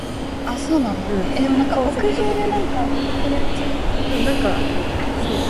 射十二碼，一係入，一係唔入